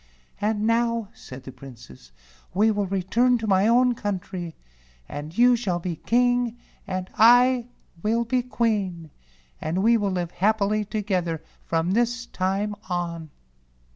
"And now," said the Princess, "we will re¬ turn to my own country, and you shall be King and I will be Queen, and we will live happily together from this time on."